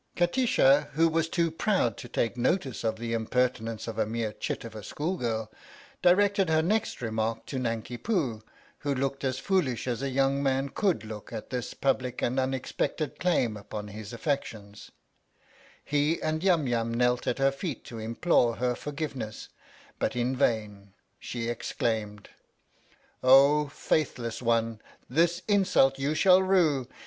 Kati sha, who was too proud to take notice of the * Cheap, considering all things. 69 THE STORY OF THE MIKADO impertinence of a mere chit of a school girl, directed her next remark to Nanki Poo, who looked as foolish as a young man could look at this public and unex pected claim upon his affections. He and Yum Yum knelt at her feet to implore her forgiveness, but in vain. She exclaimed : Oh, faithless one, this insult you shall rue!